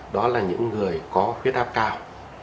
đó là những người có huyết áp cao